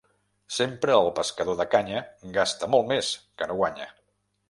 Sempre el pescador de canya gasta molt més que no guanya.